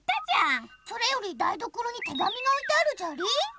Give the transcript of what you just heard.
それよりだいどころにてがみがおいてあるじゃりー。